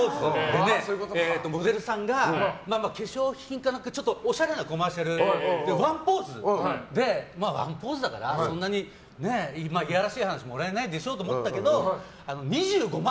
モデルさんが化粧品かなんかおしゃれなコマーシャルでワンポーズでワンポーズだからそんなにいやらしい話もらえないでしょと思ったら２５万